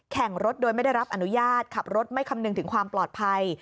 แข่งรถโดยไม่ได้รับอนุญาตขับรถไม่คำนึงถึงความปลอดภัย